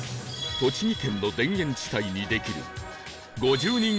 栃木県の田園地帯にできる